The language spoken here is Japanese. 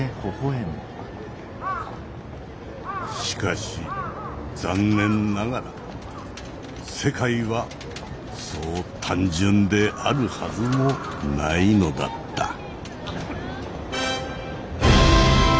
しかし残念ながら世界はそう単純であるはずもないのだった。